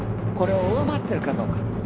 これを上回ってるかどうか。